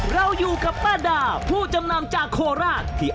เวลาจำนำ